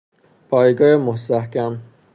پایگاه مستحکم